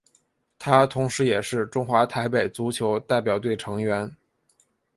他同时也是中华台北足球代表队成员。